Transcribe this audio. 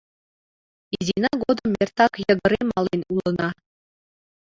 — Изина годым эртак йыгыре мален улына.